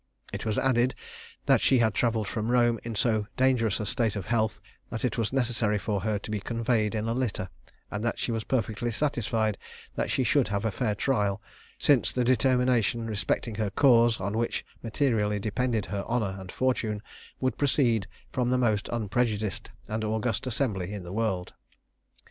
It was added, that she had travelled from Rome in so dangerous a state of health that it was necessary for her to be conveyed in a litter; and that she was perfectly satisfied that she should have a fair trial, since the determination respecting her cause, on which materially depended her honour and fortune, would proceed from the most unprejudiced and august assembly in the world.